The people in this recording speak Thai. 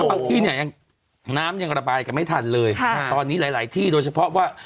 บางที่เนี่ยยังน้ำยังระบายกันไม่ทันเลยตอนนี้หลายที่โดยเฉพาะว่า